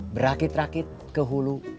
berakit rakit ke hulu